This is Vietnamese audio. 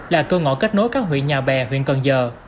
là cơ ngõ kết nối các huyện nhà bè huyện cần giờ